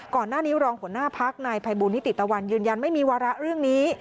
ก่อนหน้านี้รองหัวหน้าพักนายภัยบูลนิติตะวันยืนยันไม่มีวาระเรื่องนี้